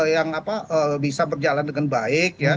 yang bisa berjalan dengan baik